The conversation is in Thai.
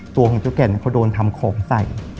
ตัวของเจ้าแก่นเขาโดนทำของใส่